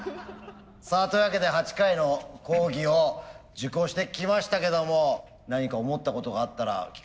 さあというわけで８回の講義を受講してきましたけども何か思ったことがあったら聞かせて下さい舘野さん。